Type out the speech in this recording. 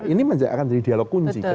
ini akan menjadi dialog kunci ke depan